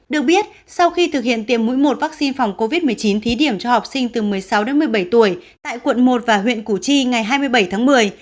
được biết sau khi thực hiện tiêm mũi một vaccine phòng covid một mươi chín thí điểm cho học sinh từ một mươi sáu đến một mươi bảy tuổi tại quận một và huyện củ chi ngày hai mươi bảy tháng một mươi